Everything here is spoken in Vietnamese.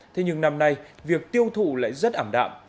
thế nhưng năm nay việc tiêu thụ lại rất ảm đạm